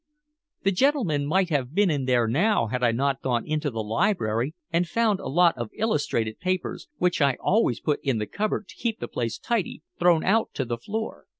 "The gentleman might have been in there now had I not gone into the library and found a lot of illustrated papers, which I always put in the cupboard to keep the place tidy, thrown out on to the floor.